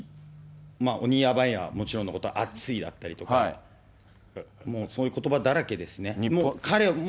もう本当に、鬼やばいはもちろんのこと、あついだったりとか、もうそういうことばだらけですね。